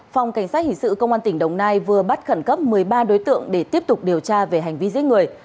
phòng cảnh sát hình sự công an tỉnh đồng nai vừa bắt khẩn cấp một mươi ba đối tượng để tiếp tục điều tra về hành vi giết người